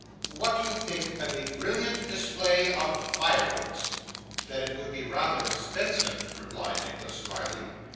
'What do you think of a brilliant display of fireworks?' 'That it would be rather expensive,' replied Nicholas, drily.